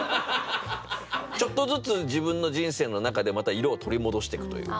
ちょっとずつ自分の人生の中でまた色を取り戻してくというか。